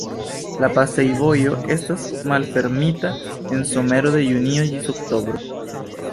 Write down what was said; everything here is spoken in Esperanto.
La pasejvojo estas malfermita en somero de junio ĝis oktobro.